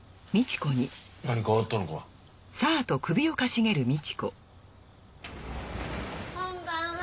こんばんは。